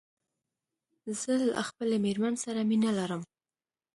زه له خپلې ميرمن سره مينه لرم